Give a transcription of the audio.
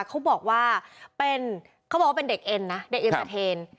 เขาบอกว่าเป็นเขาบอกว่าเป็นเด็กเอ็นนะเด็กเอ็มเตอร์เทน